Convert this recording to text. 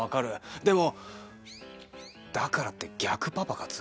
でもだからって逆パパ活？